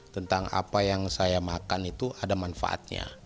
tentang apa yang saya makan itu ada manfaatnya